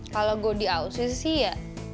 kalo gue di ausis sih ya